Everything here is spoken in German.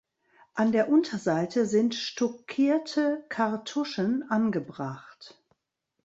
An der Unterseite sind stuckierte Kartuschen angebracht.